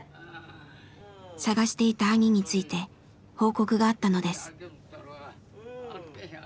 探していた兄について報告があったのです。